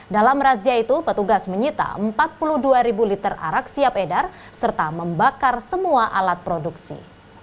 dalam razia itu petugas menyita empat puluh dua ribu liter arak siap edar serta membakar semua alat produksi